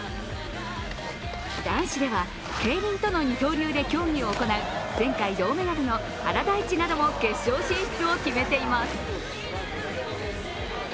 男子ではケイリンとの二刀流で競技を行う前回銅メダルの原大智なども決勝進出を決めています。